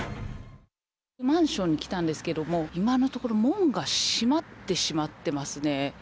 マンションに来たんですけれども、今のところ、門が閉まってしまってますね。